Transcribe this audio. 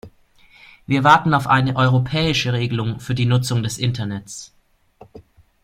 Wir warten auf eine europäische Regelung für die Nutzung des Internets.